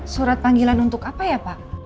surat panggilan untuk apa ya pak